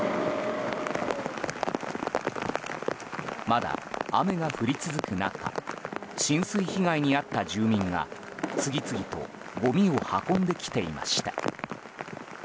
まだ雨が降り続く中浸水被害に遭った住民が次々とごみを運んできていました。